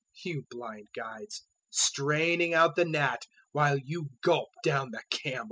023:024 You blind guides, straining out the gnat while you gulp down the camel!